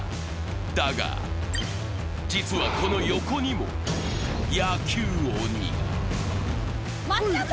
だが、実はこの横にも野球鬼が。